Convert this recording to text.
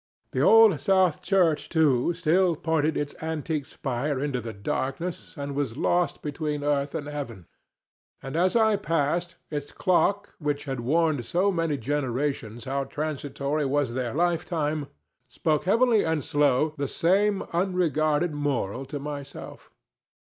The Old South Church, too, still pointed its antique spire into the darkness and was lost between earth and heaven, and, as I passed, its clock, which had warned so many generations how transitory was their lifetime, spoke heavily and slow the same unregarded moral to myself.